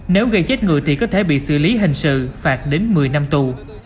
nếu gây chết người thì có thể bị xử lý hình sự phạt đến một mươi năm tù